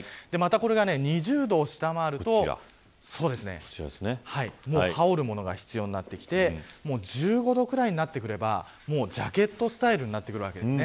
これが、２０度を下回ると羽織るものが必要になってきて１５度くらいになってくればジャケットスタイルになってきます。